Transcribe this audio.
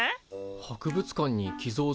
博物館に寄贈するとか？